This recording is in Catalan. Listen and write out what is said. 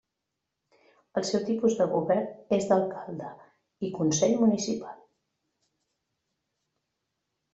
El seu tipus de govern és d'alcalde i consell municipal.